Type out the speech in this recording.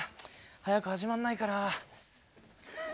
早く始まんないかな。